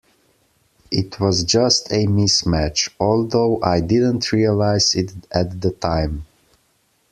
It was just a mismatch, although I didn't realize it at the time.